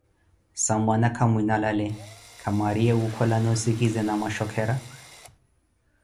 sampwana kamwinalale, kwamwaariye wookholani osikizi na mwa wooshokera?